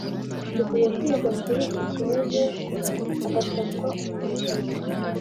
dukwiye kwiga kuri iki kibazo hagafatwa umwanzuro